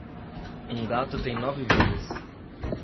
Um gato tem nove vidas.